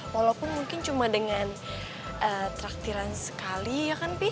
walaupun mungkin cuma dengan traktiran sekali ya kan